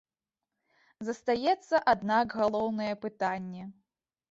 Застаецца, аднак, галоўнае пытанне.